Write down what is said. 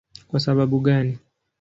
Kwa sababu gani?